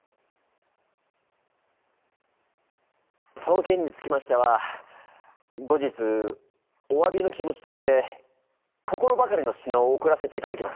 そのけんにつきましては後日おわびの気持ちとして心ばかりの品を贈らせていただきます。